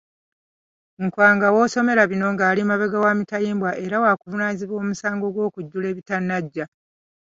Nkwanga w'osomera bino ng'ali mabega wa mitayimbwa era waakuvunaanibwa omusango gw'okujjula ebitanaggya.